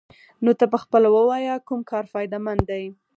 نو ته پخپله ووايه کوم کار فايده مند دې.